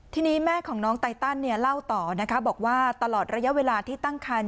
ทีนี้แม่ของน้องไตตันเล่าต่อนะคะบอกว่าตลอดระยะเวลาที่ตั้งคัน